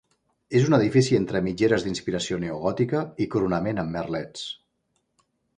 És un edifici entre mitgeres d'inspiració neogòtica i coronament amb merlets.